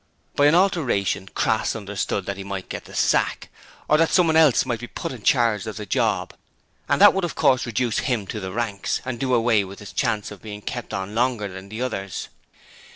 By an 'alteration' Crass understood that he might get the sack, or that someone else might be put in charge of the job, and that would of course reduce him to the ranks and do away with his chance of being kept on longer than the others.